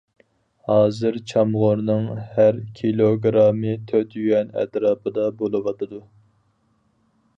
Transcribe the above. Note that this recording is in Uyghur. ھازىر چامغۇرنىڭ ھەر كىلوگىرامى تۆت يۈەن ئەتراپىدا بولۇۋاتىدۇ.